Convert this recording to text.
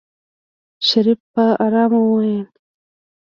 شريف په آرامه وويل.